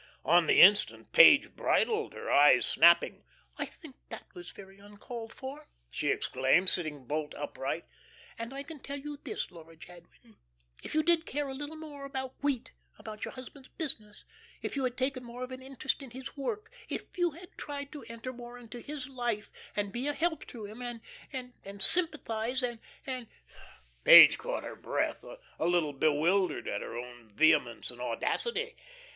On the instant Page bridled, her eyes snapping. "I think that was very uncalled for," she exclaimed, sitting bolt upright, "and I can tell you this, Laura Jadwin, if you did care a little more about wheat about your husband's business if you had taken more of an interest in his work, if you had tried to enter more into his life, and be a help to him and and sympathise and " Page caught her breath, a little bewildered at her own vehemence and audacity.